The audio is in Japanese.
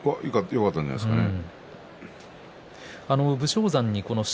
よかったんじゃないでしょうかね。